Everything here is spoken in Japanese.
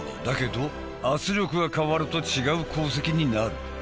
だけど圧力が変わると違う鉱石になる。